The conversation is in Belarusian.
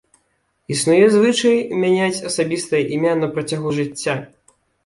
Існуе звычай мяняць асабістае імя на працягу жыцця.